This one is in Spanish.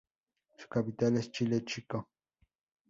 Su capital es Chile Chico.